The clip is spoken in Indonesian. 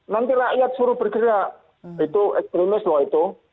nanti rakyat suruh bergerak itu ekstremis loh itu